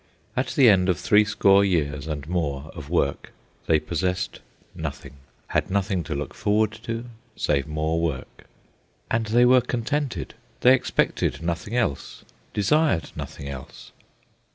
At the end of threescore years and more of work they possessed nothing, had nothing to look forward to save more work. And they were contented. They expected nothing else, desired nothing else.